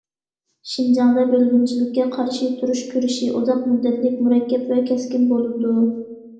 شىنجاڭدا بۆلگۈنچىلىككە قارشى تۇرۇش كۈرىشى ئۇزاق مۇددەتلىك، مۇرەككەپ ۋە كەسكىن بولىدۇ.